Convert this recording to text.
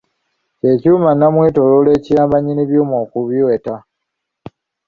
Kye kyuma nnamwetooloolo ekiyamba nnyinni byuma okubiweta.